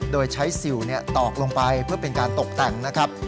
โดยใช้สิวตอกลงไปเพื่อเป็นการตกแต่งนะครับ